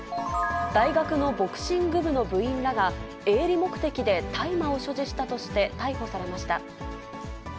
大学のボクシング部の部員らが営利目的で大麻を所持したとして逮捕されました。